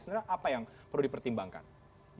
sebenarnya apa yang perlu dipertimbangkan